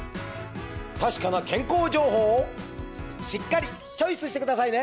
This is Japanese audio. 確かな健康情報をしっかりチョイスしてくださいね。